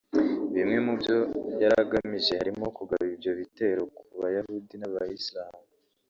Bimwe mu byo yari agamije harimo kugaba ibyo bitero ku Bayahudi n’Abayisilamu